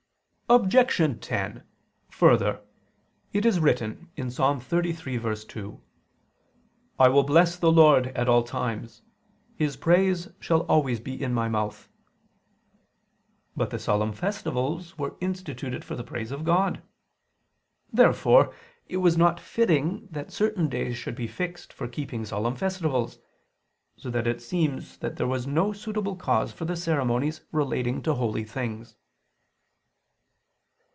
Objection 10: Further, it is written (Ps. 33:2): "I will bless the Lord at all times, His praise shall always be in my mouth." But the solemn festivals were instituted for the praise of God. Therefore it was not fitting that certain days should be fixed for keeping solemn festivals; so that it seems that there was no suitable cause for the ceremonies relating to holy things.